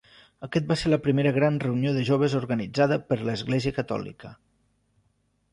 Aquest va ser la primera gran reunió de joves organitzada per l'Església catòlica.